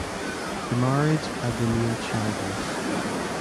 The marriage had remained childless.